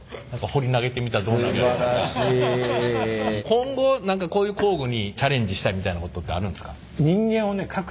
今後こういう工具にチャレンジしたいみたいなことってあるんですか？